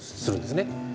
するんですね。